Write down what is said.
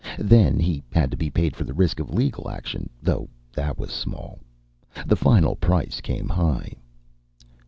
Then he had to be paid for the risk of legal action, though that was small. The final price came high.